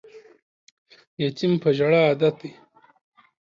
یتیم په ژړا عادت دی